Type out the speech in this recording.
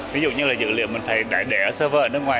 ví dụ như là dữ liệu mình phải để ở server ở nước ngoài